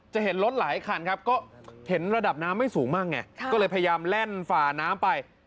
เห็นรถหลายคันครับก็เห็นระดับน้ำไม่สูงมากไงก็เลยพยายามแล่นฝ่าน้ำไป